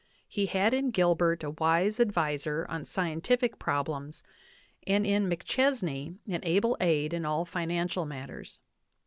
He had in Gilbert a wise adviser on scientific problems and in McChesney an able aid in all finan cial matters.